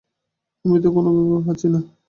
আমি তো কোনো উপায় ভেবে পাচ্ছি নে।